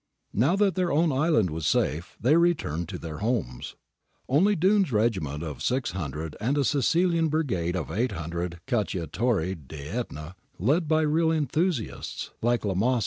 Now that their own island was safe, they returned to their homes.' Only Dunne's regiment of six hundred and a ' Sicilian brigade ' of eight hundred Cacciatori d Etna, led by real enthusiasts like La Masa, Corrao, and